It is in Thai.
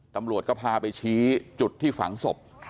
ตำรวจก็พาไปชี้จุดที่ฝังศพ